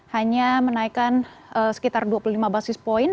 hanya menaikkan sekitar dua puluh lima basis point